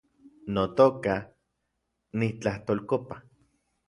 Notoka , nitlajtolkopa